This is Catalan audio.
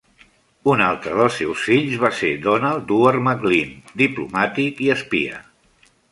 Un altre dels seus fills va ser Donald Duart Maclean, diplomàtic i espia.